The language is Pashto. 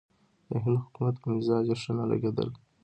د هند حکومت پر مزاج یې ښه نه لګېدل.